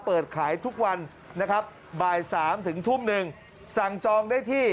เปิดขายทุกวันนะครับบ่าย๓ถึงทุ่มหนึ่งสั่งจองได้ที่